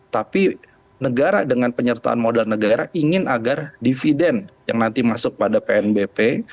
tapi negara dengan penyertaan modal negara ingin agar dividen yang nanti masuk pada pnbp